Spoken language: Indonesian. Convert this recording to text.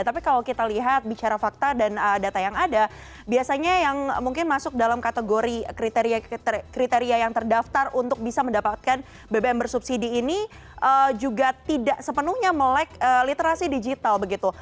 tapi kalau kita lihat bicara fakta dan data yang ada biasanya yang mungkin masuk dalam kategori kriteria yang terdaftar untuk bisa mendapatkan bbm bersubsidi ini juga tidak sepenuhnya melek literasi digital begitu